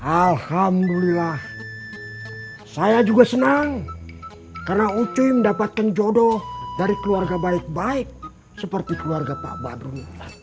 alhamdulillah saya juga senang karena ucuy mendapatkan jodoh dari keluarga baik baik seperti keluarga pak badru